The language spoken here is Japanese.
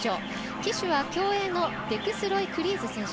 旗手は競泳のデクスロイ・クリーズ選手。